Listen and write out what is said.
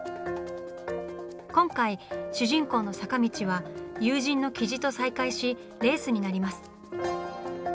今回主人公の坂道は友人の雉と再会しレースになります。